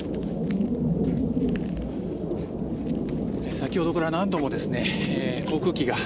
先ほどから何度も航空機が。